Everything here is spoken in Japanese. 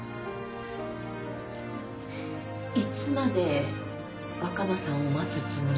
いつまで若菜さんを待つつもりですか？